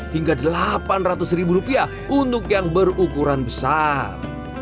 hingga delapan ratus ribu rupiah untuk yang berukuran besar